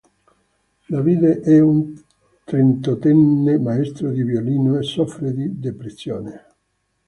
Davide è un trentottenne maestro di violino e soffre di depressione.